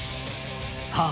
さあ